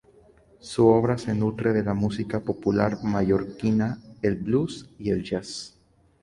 Su obra se nutre de la música popular mallorquina, el "blues" y el "jazz".